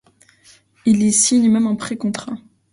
Il y signe même un pré-contrat.